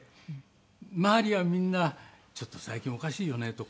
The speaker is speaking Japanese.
周りはみんな「ちょっと最近おかしいよね」とか。